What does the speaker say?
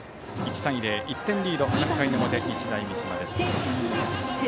１対０１点リード、３回の表日大三島です。